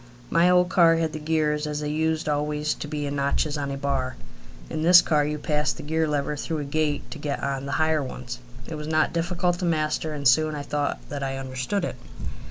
My old car had the gears as they used always to be in notches on a bar. In this car you passed the gear lever through a gate to get on the higher ones. It was not difficult to master, and soon I thought that I understood it.